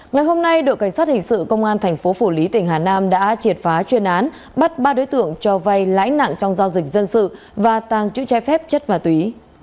ngày hôm nay đội cảnh sát hình sự công an thành phố phủ lý tỉnh hà nam đã triệt phá chuyên án bắt ba đối tượng cho vay lãi nặng trong giao dịch dân sự và tàng chữ trái phép chất ma túy